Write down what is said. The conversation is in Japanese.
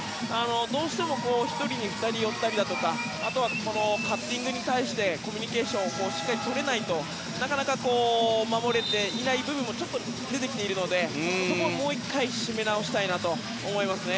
どうしても１人に２人が寄ったりだとかカッティングに対してコミュニケーションをしっかりとれないとなかなか守れていない部分もちょっと出てきているのでもう１回、締め直したいと思いますね。